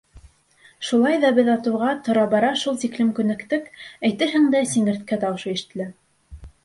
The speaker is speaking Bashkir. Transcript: Шулай ҙа беҙ атыуға тора-бара шул тиклем күнектек, әйтерһең дә, сиңерткә тауышы ишетелә.